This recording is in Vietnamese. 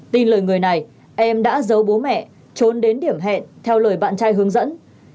tin lời người này em đã giấu bố mẹ trốn đến điểm hẹn theo lời bạn trai hướng dẫn